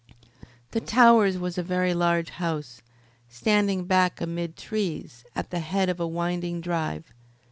The Towers was a very large house, standing back amid trees, at the head of a winding drive.